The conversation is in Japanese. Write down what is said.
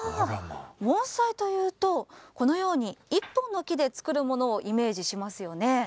盆栽というと、このように一本の木で作るものをイメージしますよね。